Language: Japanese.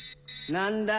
何だ？